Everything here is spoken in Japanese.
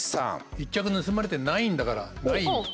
１着盗まれてないんだからナイン。